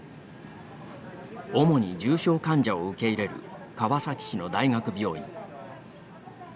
主に重症患者を受け入れる川崎市の大学病院。